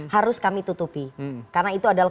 harus kami tutupi karena itu adalah